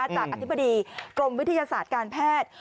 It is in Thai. จากอธิบดีกรมวิทยาศาสตร์การแพทย์